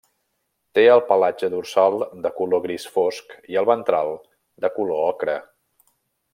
Té el pelatge dorsal de color gris fosc i el ventral de color ocre.